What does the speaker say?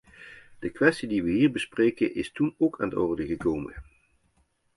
De kwestie die we hier bespreken, is toen ook aan de orde gekomen.